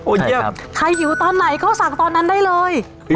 เยี่ยมใครหิวตอนไหนก็สั่งตอนนั้นได้เลย